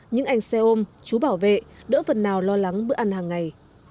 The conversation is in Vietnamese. những anh xe ôm chú bảo vệ đỡ phần nào lo lắng bữa ăn hàng ngày